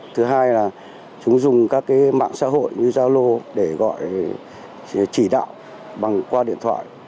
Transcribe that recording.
thứ hai là chúng dùng các mạng xã hội như zalo để gọi chỉ đạo bằng qua điện thoại